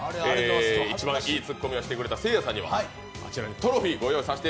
一番いいツッコミをしていただいたせいやさんには、こちらのトロフィーをご用意しました。